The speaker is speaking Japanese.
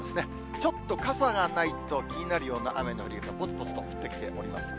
ちょっと傘がないと気になるような雨の量が、ぽつぽつと降ってきております。